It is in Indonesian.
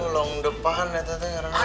long depan ya tete